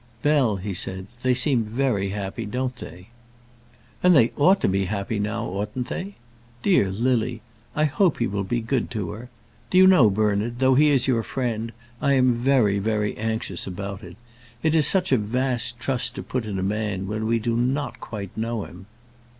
"Bell," he said, "they seem very happy, don't they?" "And they ought to be happy now, oughtn't they? Dear Lily! I hope he will be good to her. Do you know, Bernard, though he is your friend, I am very, very anxious about it. It is such a vast trust to put in a man when we do not quite know him."